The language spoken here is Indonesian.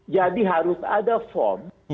jadi harus ada form